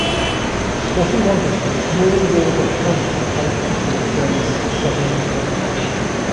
What he wanted was small wars of plunder to help support Germany's struggling economy.